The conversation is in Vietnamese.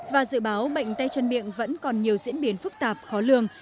và dự báo bệnh tay chân miệng vẫn còn nhiều diễn biến phức tạp khó lường